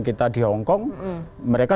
kita di hongkong mereka